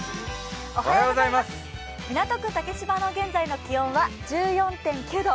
港区竹芝の現在の気温は１４．９度。